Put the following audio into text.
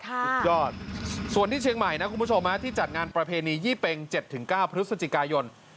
สุดยอดส่วนที่เชียงใหม่นะคุณผู้ชมที่จัดงานประเพณียี่เป็ง๗๙พฤศจิกายน